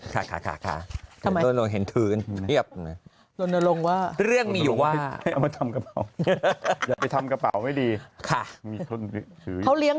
คือเป็นเรื่องของขัง